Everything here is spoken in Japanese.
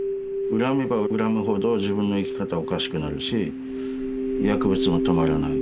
恨めば恨むほど自分の生き方おかしくなるし薬物も止まらない。